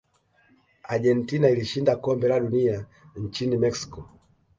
argentina ilishinda kombe la dunia nchini mexico